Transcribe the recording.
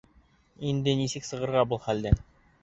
Инде нисек сығырға был хәлдән?